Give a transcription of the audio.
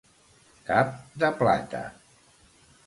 Cap de plata.